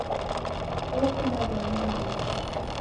Wokunda w'ai nandighi.